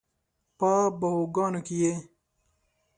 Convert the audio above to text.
په باهوګانو کې یې